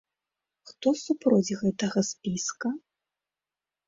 Хто супроць гэтага спіска?